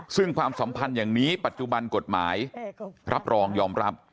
ซึ่งความสัมพันธ์อย่างนี้ปัจจุบันกฎหมายรับรองยอมรับ